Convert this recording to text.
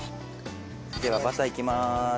ではバターいきます。